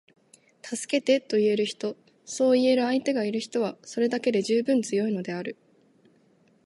「助けて」と言える人，そう言える相手がいる人は，それだけで十分強いのである．